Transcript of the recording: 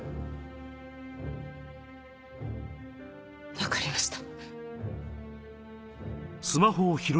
分かりました。